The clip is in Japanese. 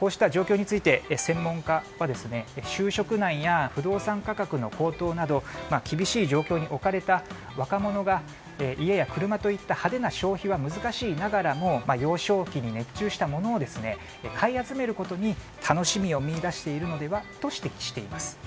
こうした状況について専門家は就職難や不動産価格の高騰など厳しい状況に置かれた若者が家や車といった派手な消費は難しいながらも幼少期に熱中したものを買い集めることに楽しみを見いだしているのではと指摘しています。